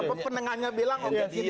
apa pendengarnya bilang